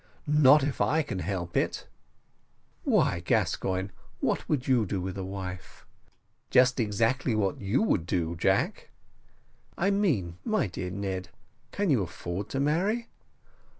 "Not if I can help it." "Why, Gascoigne, what would you do with a wife?" "Just exactly what you would do, Jack." "I mean, my dear Ned, can you afford to marry?"